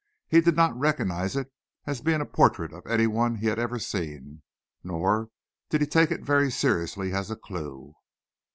He did not recognize it as being a portrait of any one he had ever seen. Nor did he take it very seriously as a clue.